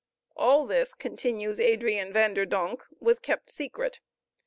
All this, continues Adrian Van der Donck, was kept secret.